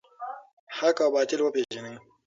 حق او باطل وپیژنئ.